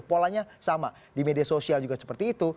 polanya sama di media sosial juga seperti itu